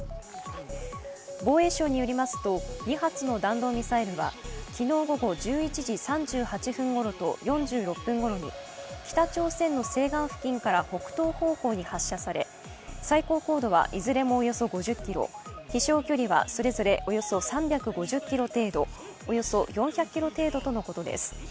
防衛省によりますと、２発の弾道ミサイルは昨日午後１１時３８分ごろと４６分ごろに、北朝鮮の西岸付近から北東方向に発射され最高高度はいずれもおよそ５０ｋｍ飛しょう距離はそれぞれおよそ３５０キロ程度およそ４００ｋｍ程度とのことです。